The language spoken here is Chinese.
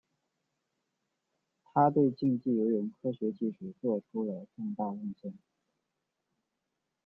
他对竞技游泳科学技术做出了重大贡献。